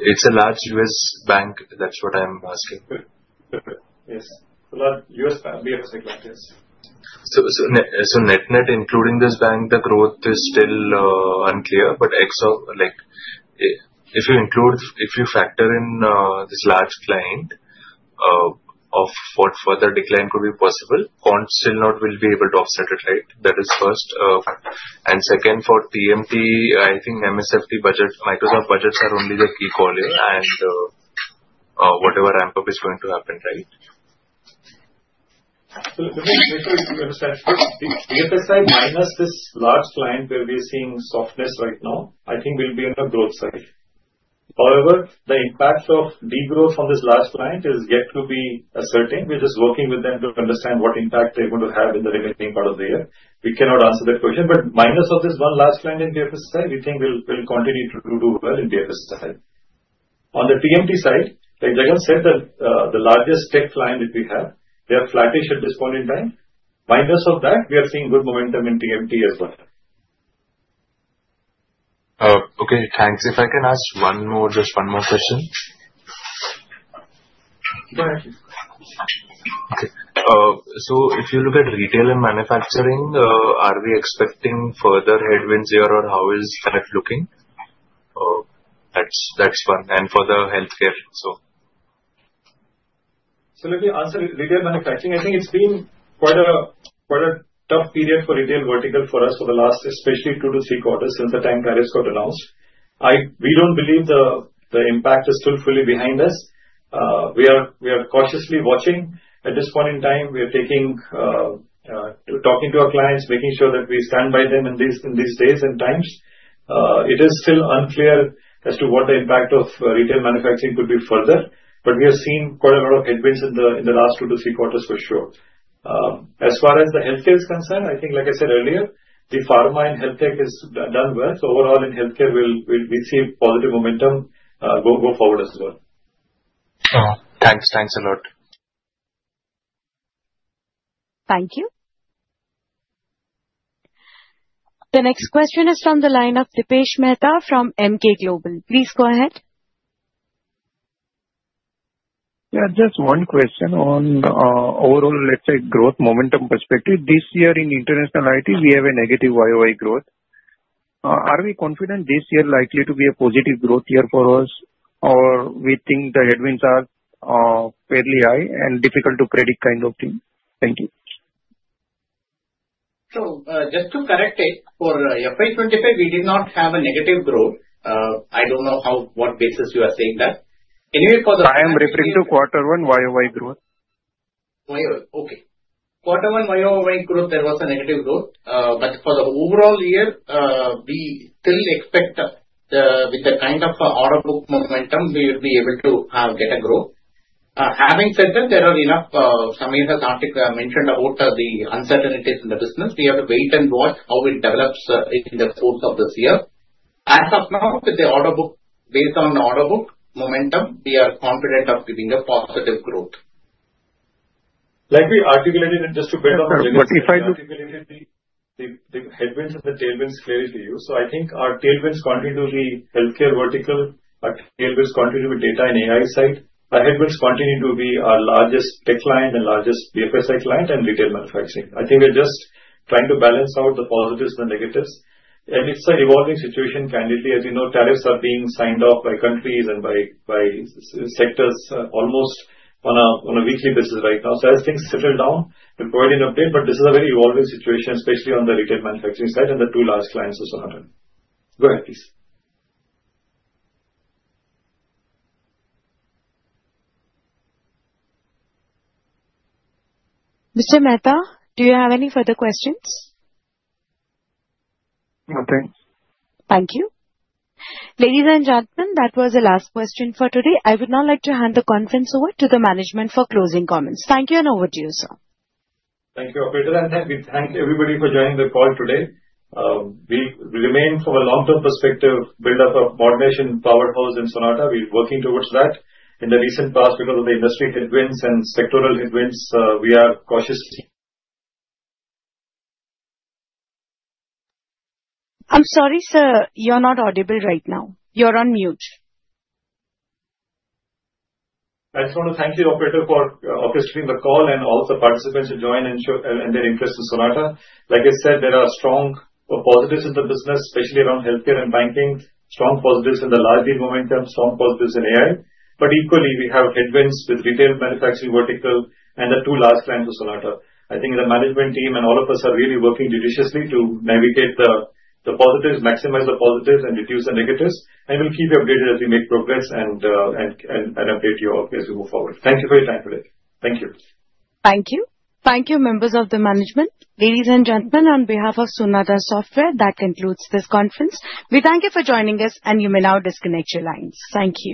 It's a large U.S. bank. That's what I'm asking. Yes. A large U.S. BFSI client, yes. So net-net, including this bank, the growth is still unclear, but if you factor in this large client, for further decline could be possible, Quant still not will be able to offset it, right? That is first. And second, for TMT, I think MSFT budget, Microsoft budgets are only the key call here. And whatever ramp-up is going to happen, right? Before you say, the BFSI minus this large client where we are seeing softness right now, I think will be on the growth side. However, the impact of degrowth from this large client is yet to be certain. We're just working with them to understand what impact they're going to have in the remaining part of the year. We cannot answer that question. But minus of this one large client in BFSI, we think we'll continue to do well in BFSI. On the TMT side, like Jagannathan said, the largest tech client that we have, they are flattish at this point in time. Minus of that, we are seeing good momentum in TMT as well. Okay. Thanks. If I can ask one more, just one more question. Go ahead. Okay, so if you look at retail and manufacturing, are we expecting further headwinds here, or how is that looking? That's one. And for the healthcare, so. So let me answer retail manufacturing. I think it's been quite a tough period for retail vertical for us for the last, especially two to three quarters since the time tariffs got announced. We don't believe the impact is still fully behind us. We are cautiously watching. At this point in time, we are talking to our clients, making sure that we stand by them in these days and times. It is still unclear as to what the impact of retail manufacturing could be further. But we have seen quite a lot of headwinds in the last two to three quarters for sure. As far as the healthcare is concerned, I think, like I said earlier, the pharma and healthtech has done well. So overall, in healthcare, we see positive momentum go forward as well. Thanks. Thanks a lot. Thank you. The next question is from the line of Dipesh Mehta from Emkay Global. Please go ahead. Yeah. Just one question on overall, let's say, growth momentum perspective. This year in international IT, we have a negative YoY growth. Are we confident this year likely to be a positive growth year for us, or we think the headwinds are fairly high and difficult to predict kind of thing? Thank you. So just to correct it, for FY25, we did not have a negative growth. I don't know on what basis you are saying that. Anyway, I am referring to quarter one YoY growth. YoY. Okay. Quarter one YoY growth, there was a negative growth. But for the overall year, we still expect with the kind of order book momentum, we will be able to get a growth. Having said that, there are enough Samir has mentioned about the uncertainties in the business. We have to wait and watch how it develops in the course of this year. As of now, with the order book based on order book momentum, we are confident of giving a positive growth. Like we articulated it just a bit of. So for T5. The headwinds and the tailwinds clearly to you. So I think our tailwinds continue to be healthcare vertical. Our tailwinds continue to be data and AI side. Our headwinds continue to be our largest tech client and largest BFSI client and retail manufacturing. I think we're just trying to balance out the positives, the negatives, and it's an evolving situation, candidly. As you know, tariffs are being signed off by countries and by sectors almost on a weekly basis right now. So as things settle down, we'll provide an update. But this is a very evolving situation, especially on the retail manufacturing side and the two large clients of Sonata. Go ahead, please. Mr. Mehta, do you have any further questions? Nothing. Thank you. Ladies and gentlemen, that was the last question for today. I would now like to hand the conference over to the management for closing comments. Thank you and over to you, sir. Thank you, Peter. And thank everybody for joining the call today. We remain from a long-term perspective, build up a modernization powerhouse in Sonata. We're working towards that. In the recent past, because of the industry headwinds and sectoral headwinds, we are cautiously. I'm sorry, sir. You're not audible right now. You're on mute. I just want to thank you, Operator, for orchestrating the call and also participants who joined and their interest in Sonata. Like I said, there are strong positives in the business, especially around healthcare and banking, strong positives in the large deal momentum, strong positives in AI, but equally, we have headwinds with retail manufacturing vertical and the two large clients of Sonata. I think the management team and all of us are really working judiciously to navigate the positives, maximize the positives, and reduce the negatives, and we'll keep you updated as we make progress and update you as we move forward. Thank you for your time today. Thank you. Thank you. Thank you, members of the management. Ladies and gentlemen, on behalf of Sonata Software, that concludes this conference. We thank you for joining us, and you may now disconnect your lines. Thank you.